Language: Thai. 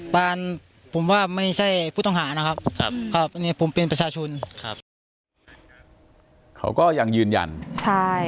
ไม่มีไม่มีไม่มีไม่มีไม่มีไม่มีไม่มีไม่มีไม่มี